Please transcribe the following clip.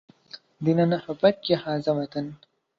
ديننا حبك يا هذا الوطن